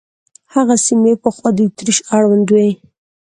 هغه سیمې پخوا د اتریش اړوند وې.